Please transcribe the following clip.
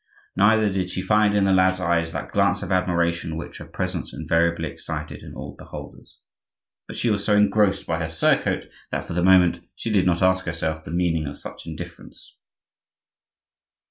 Neither did she find in the lad's eyes that glance of admiration which her presence invariably excited in all beholders. But she was so engrossed by her surcoat that, for the moment, she did not ask herself the meaning of such indifference.